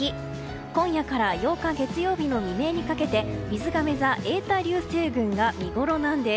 今夜から８日月曜日の未明にかけてみずがめ座エータ流星群が見ごろなんです。